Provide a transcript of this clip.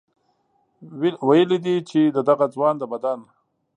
ویلي دي چې د دغه ځوان د بدن